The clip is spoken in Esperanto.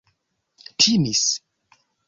timis